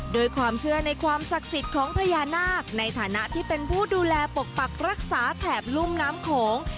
โดยความเชื่อในความศักดิ์สิทธิ์ของพญานาคในฐานะที่เป็นผู้ดูแลปกปักรักษาแถบลุ่มน้ำโขง